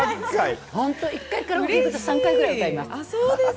１回カラオケ行くと、３回ぐらい歌います。